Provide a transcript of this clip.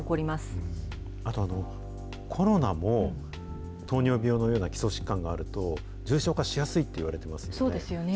あと、コロナも、糖尿病のような基礎疾患があると重症化しやすいといわれてますよ